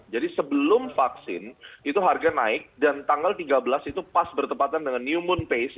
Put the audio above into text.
jadi sebelum vaksin itu harga naik dan tanggal tiga belas itu pas bertepatan dengan new moon pace